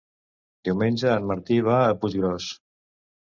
Diumenge en Martí va a Puiggròs.